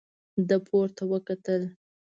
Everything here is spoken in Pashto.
ده پورته وکتل.